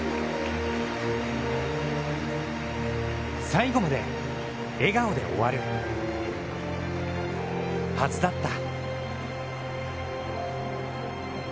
最後まで笑顔で終わるはずだった。